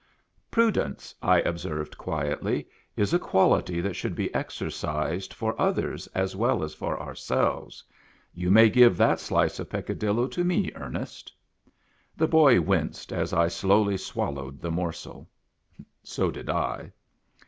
" Prudence," I observed quietly, "is a quality that should be exercised for others as well as for ourselves. You may give that slice of Peccadillo to me, Ernest." The boy winced as I slowly swallowed the morsel. So did I.